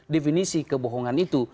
definisi kebohongan itu